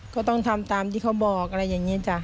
ก็ต้องทำตามที่เขาบอกอะไรอย่างนี้จ้ะ